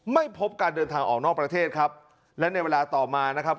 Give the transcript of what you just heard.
ไม่พบการเดินทางออกนอกประเทศครับและในเวลาต่อมานะครับ